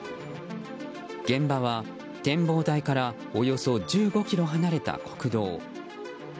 現場は展望台からおよそ１５ｋｍ離れた国道。